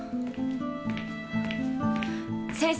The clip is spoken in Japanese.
先生。